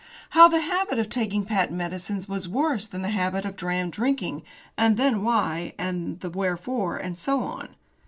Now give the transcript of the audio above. How the habit of taking patent medicines was worse than the habit of dram drinking, and the why, and the wherefore, and so on.